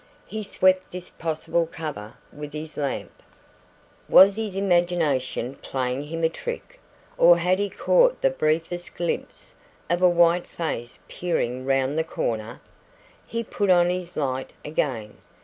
He swept this possible cover with his lamp. Was his imagination playing him a trick, or had he caught the briefest glimpse of a white face peering round the corner? He put on his light again.